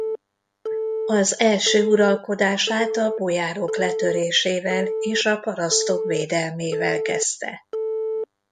Az első uralkodását a bojárok letörésével és a parasztok védelmével kezdte.